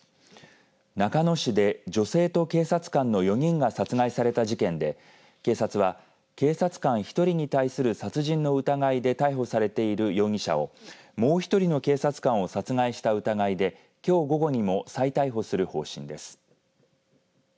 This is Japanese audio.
中野市で、女性と警察官の４人が殺害された事件で警察は警察官１人に対する殺人の疑いで逮捕されている容疑者をもう１人の警察官を殺害した疑いできょう午後にも再逮捕する方針です。